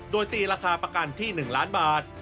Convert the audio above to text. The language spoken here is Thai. โดยตีราคาประกันที่๑ล้านบาท